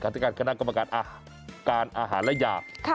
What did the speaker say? การติการคณะกรรมการการอาหารและอย่าง